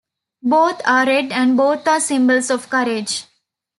Both are Red and both are symbols of Courage.